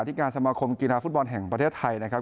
ที่การสมาคมกีฬาฟุตบอลแห่งประเทศไทยนะครับ